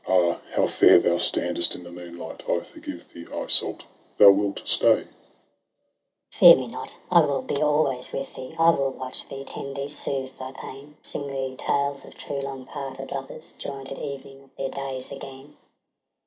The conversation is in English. Ah, how fair thou standest in the moonlight ! I forgive thee, Iseult !— thou wilt stay ? VOL. I. P 2IO TRISTRAM AND ISEULT. Iseult. Fear me not, I will be always with thee; I will watch thee, tend thee, soothe thy pain; Sing thee tales of true, long parted lovers, Join'd at evening of their days again.